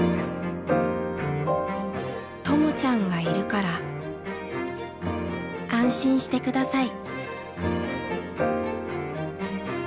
「ともちゃんがいるから安心して下さい」。